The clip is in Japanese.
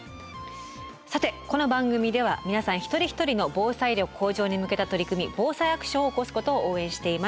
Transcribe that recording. さてこの番組では皆さん一人一人の防災力向上に向けた取り組み防災アクションを起こすことを応援しています。